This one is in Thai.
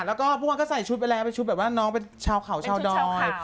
แล้วก็พวกมันก็ใส่ชุดไปแล้วชุดแบบว่าน้องเป็นชาวขาวชาวดอย